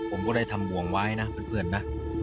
ผมก็ได้ทำห่วงไว้นะเพื่อนนะ